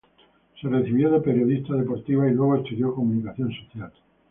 Se recibió de periodista deportiva y luego estudió Comunicación Social.